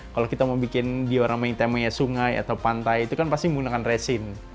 kalau kita mau bikin diorama yang temanya sungai atau pantai itu kan pasti menggunakan resin